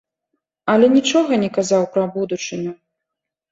Але нічога не казаў пра будучыню.